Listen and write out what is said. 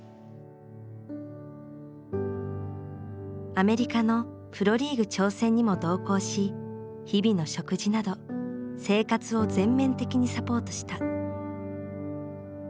アメリカのプロリーグ挑戦にも同行し日々の食事など生活を全面的にサポートした。